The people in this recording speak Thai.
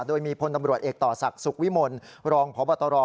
โดยมีพลตำรวจเอกต่อศักดิ์สุขวิมลรองพบตร